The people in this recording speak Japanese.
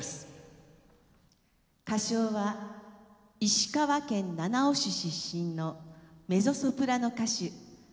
歌唱は石川県七尾市出身のメゾソプラノ歌手鳥木